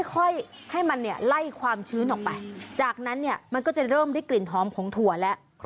ค่อยให้มันเนี่ยไล่ความชื้นออกไปจากนั้นเนี่ยมันก็จะเริ่มได้กลิ่นหอมของถั่วแล้ว